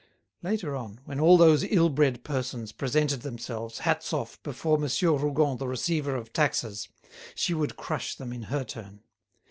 Later on, when all those ill bred persons presented themselves, hats off, before Monsieur Rougon the receiver of taxes, she would crush them in her turn.